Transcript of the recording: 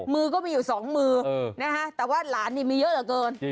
มือก็มีอยู่สองมือนะฮะแต่ว่าหลานนี่มีเยอะเหลือเกิน